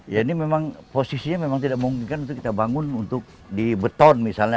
ya ini memang posisinya memang tidak memungkinkan untuk kita bangun untuk di beton misalnya